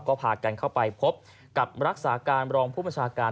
ก็พากันเข้าไปพบกับรักษาการรองผู้ประชาการ